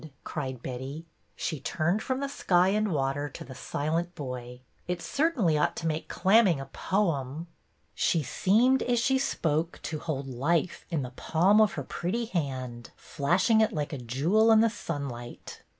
" cried Betty. She turned from the sky and water to the silent boy. It certainly ought to make clamming a poem." She seemed, as she spoke, to hold Life in the palm of her pretty hand, flashing it like a jewel in the sunlight.